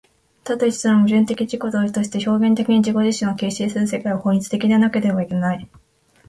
多と一との矛盾的自己同一として表現的に自己自身を形成する世界は、法律的でなければならない。